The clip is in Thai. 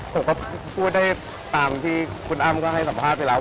ผมก็พูดได้ตามที่คุณอ้ำก็ให้สัมภาษณ์ไปแล้ว